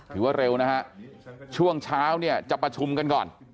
ถือว่าเร็วนะครับช่วงเช้าจะประชุมกันก่อน